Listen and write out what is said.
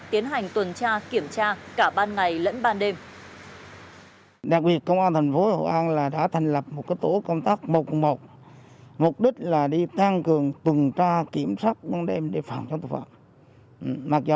tiến hành tuần tra kiểm tra cả ban ngày lẫn ban đêm